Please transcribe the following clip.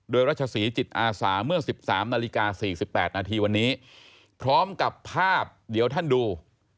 โดยรัชศรีจิตอาสาเมื่อ๑๓นาฬิกา๔๘นาทีวันนี้พร้อมกับภาพเดี๋ยวท่านดู